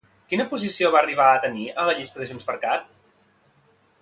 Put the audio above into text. Quina posició va arribar a tenir a la llista de JxCat?